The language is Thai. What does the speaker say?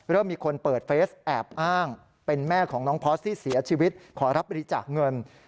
เริ่มมีคนเปิดเฟสแอบอ้างเป็นแม่ของน้องพอร์สที่เสียชีวิตขอรับบริจาคเงิน